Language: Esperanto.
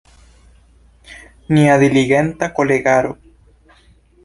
Nia diligenta kolegaro.